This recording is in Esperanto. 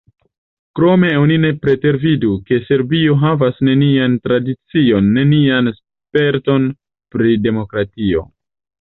Krome oni ne pretervidu, ke Serbio havas nenian tradicion, nenian sperton pri demokratio.